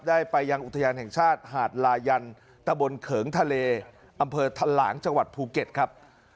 ไปยังอุทยานแห่งชาติหาดลายันตะบนเขิงทะเลอำเภอทะหลางจังหวัดภูเก็ตครับ